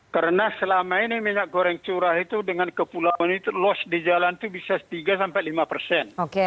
karena selama ini minyak goreng curah itu dengan kepulauan itu loss di jalan itu bisa tiga lima persen